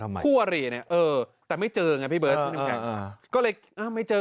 ทำไมคั่วหรี่เนี่ยเออแต่ไม่เจอไงพี่เบิร์ตก็เลยไม่เจอ